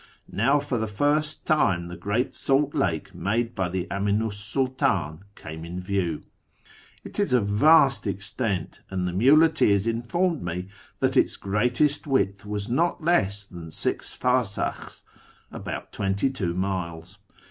Now for the first time the great salt lake made by the Aminu 's Sididn came in view. It is of vast extent, and the muleteers informed me that its greatest width was not less than six farsakhs (about twenty two miles).